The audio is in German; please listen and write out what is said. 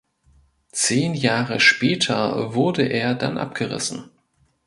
Zehn Jahre später wurde er dann abgerissen.